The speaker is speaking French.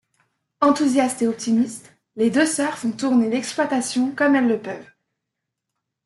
Enthousiastes et optimistes, les deux sœurs font tourner l’exploitation comme elles le peuvent.